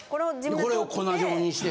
これを粉状にして。